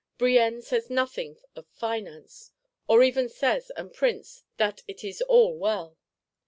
Brienne says nothing of Finance; or even says, and prints, that it is all well.